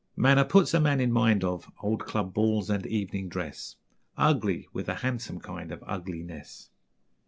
Manner puts a man in mind of Old club balls and evening dress, Ugly with a handsome kind of Ugliness.